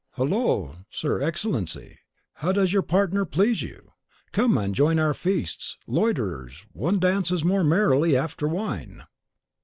"Hollo, Signor Excellency! and how does your partner please you? Come and join our feast, loiterers; one dances more merrily after wine."